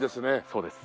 そうです。